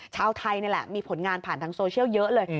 ชาวไทยนี่แหละมีผลงานผ่านทางโซเชียลเยอะเลย